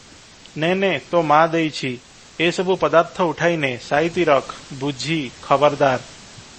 ନେ ନେ, ତୋ ମା ଦେଇଛି, ଏ ସବୁ ପଦାର୍ଥ ଉଠାଇ ନେ, ସାଇତି ରଖ, ବୁଝି ଖବରଦାର!